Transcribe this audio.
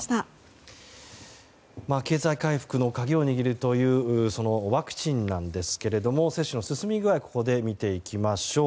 経済回復の鍵を握るというワクチンなんですが接種の進み具合をここで見ていきましょう。